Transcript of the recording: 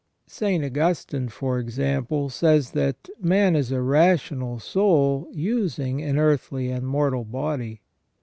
St. Augustine, for example, says that "man is a rational soul using an earthly and mortal body